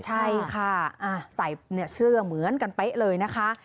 ใช่ค่ะใส่เสื้อเหมือนกันเป๊ะเลยนะคะ